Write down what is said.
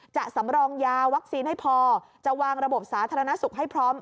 สำรองยาวัคซีนให้พอจะวางระบบสาธารณสุขให้พร้อม